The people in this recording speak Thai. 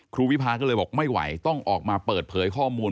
วิพาก็เลยบอกไม่ไหวต้องออกมาเปิดเผยข้อมูล